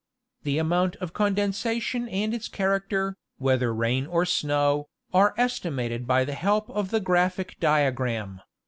The amount of condensation and its character, whether rain or snow, are estimated by the help of the graphic diagram.